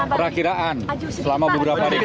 prakiraan selama beberapa hari kita